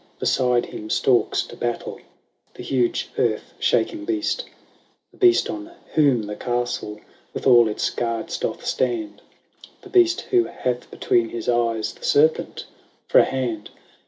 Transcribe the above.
Beside him stalks to battle The huge earth shaking beast. The beast on whom the castle With all its guards doth stand, The beast who hath between his eyes The serpent for a hand.